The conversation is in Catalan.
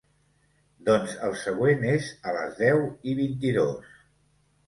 Doncs el següent és a les deu i vint-i-dos.